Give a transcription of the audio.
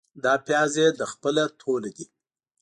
دا پیاز يې له خپله توله دي.